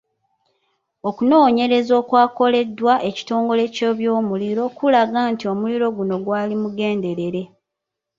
Okunnoonyereza okwakoleddwa ekitongole ky'ebyomuliro kulaga nti omuliro guno gwali mugenderere.